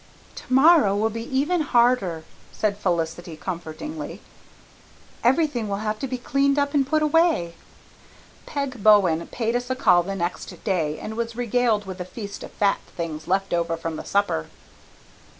"Tomorrow will be even harder," said Felicity comfortingly. "Everything will have to be cleaned up and put away." Peg Bowen paid us a call the next day and was regaled with a feast of fat things left over from the supper.